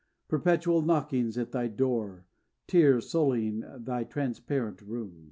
Perpetual knockings at Thy door, Tears sullying Thy transparent rooms.